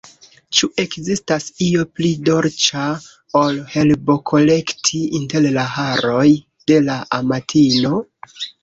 Ĉu ekzistas io pli dolĉa, ol herbokolekti inter la haroj de la amatino?